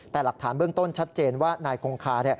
แต่หลักฐานเบื้องต้นชัดเจนว่านายคงคา